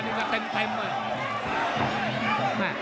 ดีมาเต็มอ่ะ